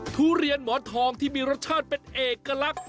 ทุเรียนหมอนทองที่มีรสชาติเป็นเอกลักษณ์